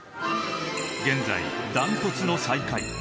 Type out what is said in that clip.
現在ダントツの最下位